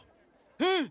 うん！